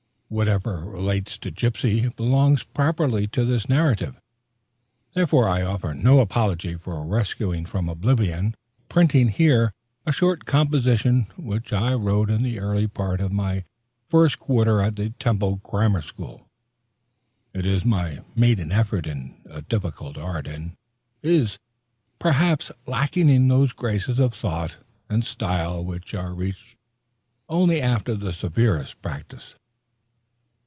Whatever relates to Gypsy belongs properly to this narrative; therefore I offer no apology for rescuing from oblivion, and boldly printing here a short composition which I wrote in the early part of my first quarter at the Temple Grammar School. It is my maiden effort in a difficult art, and is, perhaps, lacking in those graces of thought and style which are reached only after the severest practice.